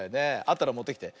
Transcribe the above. あったらもってきて。